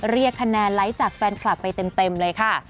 เรียกคะแนนไลค์จากแฟนคลับไปเต็มเลยค่ะ